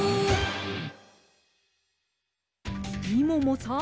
みももさん。